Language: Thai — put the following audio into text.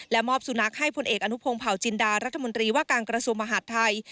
มอบสุนัขให้ผลเอกอนุพงศ์เผาจินดารัฐมนตรีว่าการกระทรวงมหาดไทย